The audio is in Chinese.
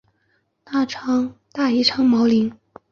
大宜昌鳞毛蕨为鳞毛蕨科鳞毛蕨属下的一个变种。